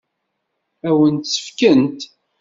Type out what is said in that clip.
Ad wen-tt-fkent?